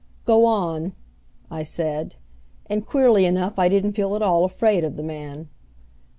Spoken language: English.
"Go on," I said, and queerly enough I didn't feel at all afraid of the man.